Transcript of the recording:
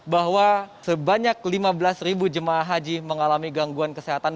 bahwa sebanyak lima belas jemaah haji mengalami gangguan kesehatan